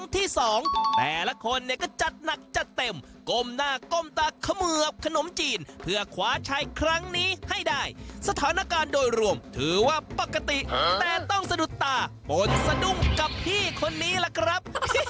แต่ละคนเนี่ยก็จัดหนักจัดเต็มก้มหน้าก้มตาเขมือบขนมจีนเพื่อคว้าชัยครั้งนี้ให้ได้สถานการณ์โดยรวมถือว่าปกติแต่ต้องสะดุดตาปนสะดุ้งกับพี่คนนี้ล่ะครับ